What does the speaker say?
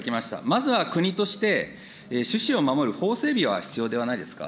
まずは国として、種子を守る法整備は必要ではないですか。